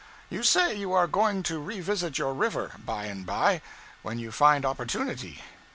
You say you are going to revisit your river, by and bye, when you find opportunity.